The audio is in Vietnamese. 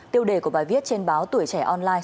tiêu đề của bài viết trên báo tuổi trẻ online